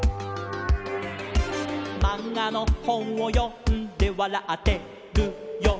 「まんがのほんをよんでわらってるよ」